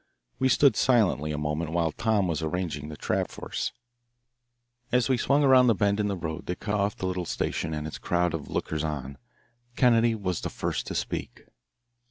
We stood silently a moment while Tom was arranging the trap for us. As we swung around the bend in the road that cut off the little station and its crowd of lookers on, Kennedy was the first to speak.